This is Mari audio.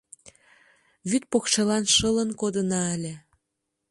Вӱд покшелан шылын кодына ыле.